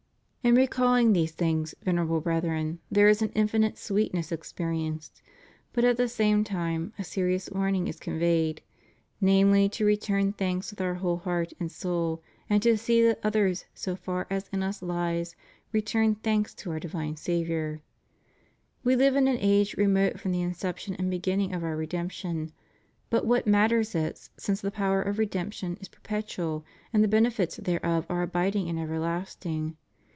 In recalUng these things. Venerable Brethren, there is an infinite sweetness experienced, but at the same time, a serious warning is conveyed — namely to return thanks with our whole heart and soul and to see that others, so far as in us lies, return thanks to our divine Saviour, We live in an age remote from the inception and begin ning of our redemption; but what matters it, since the power of redemption is perpetual, and the benefits thereof are abiding and everlasting.